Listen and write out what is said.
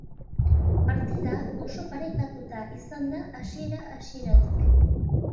Partida oso parekatua izan da hasiera-hasieratik.